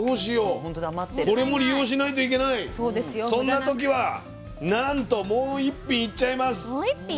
そんな時はなんともう一品いっちゃいます。